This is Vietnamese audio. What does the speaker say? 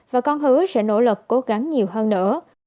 và con hứa sẽ nỗ lực cố gắng nhiều hơn nữa